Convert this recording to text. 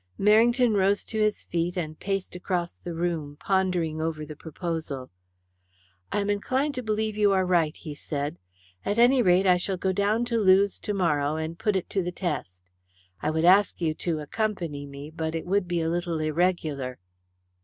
Merrington rose to his feet and paced across the room, pondering over the proposal. "I am inclined to believe you are right," he said. "At any rate, I shall go down to Lewes to morrow and put it to the test. I would ask you to accompany me, but it would be a little irregular."